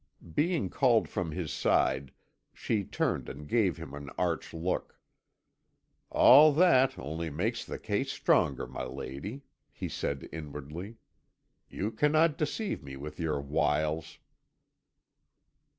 Being called from his side she turned and gave him an arch look. "All that only makes the case stronger, my lady," he said inwardly. "You cannot deceive me with your wiles."